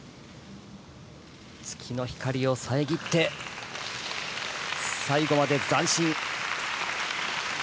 月の光を遮って最後まで残心。